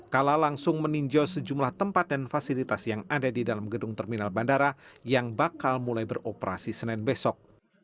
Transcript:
kala langsung meninjau sejumlah tempat dan fasilitas yang ada di dalam gedung terminal bandara yang bakal mulai beroperasi senin besok